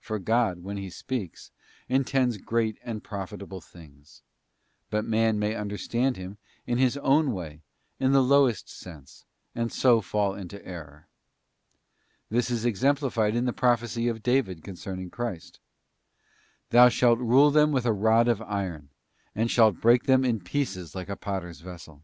For God, when He speaks, intends great and profitable things; but man may understand Him in his * 1 Cor. ii. 14, a "WORDS OF GOD TRUE SPIRITUALLY. 141 own way, in the lowest sense, and so fall into error. This is exemplified in the prophecy of David concerning Christ : 'Thou shalt rule them with a rod of iron, and shalt break them in pieces like a potter's vessel.